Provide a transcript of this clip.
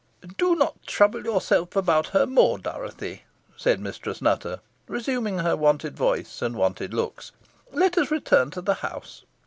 "Do not trouble yourelf about her more, Dorothy," said Mistress Nutter, resuming her wonted voice and wonted looks. "Let us return to the house.